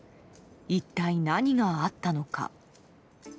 一体何があったのか。